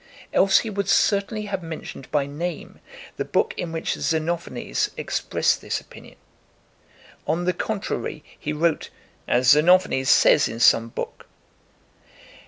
Else he would certainly have mentioned by name the book in which Xenophanes expressed this opinion. On the contrary he wrote 'as Xenophanes says in some book.